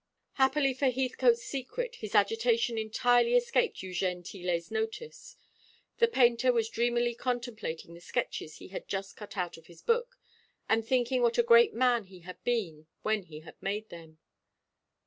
Happily for Heathcote's secret, his agitation entirely escaped Eugène Tillet's notice. The painter was dreamily contemplating the sketches he had just cut out of his book, and thinking what a great man he had been when he had made them.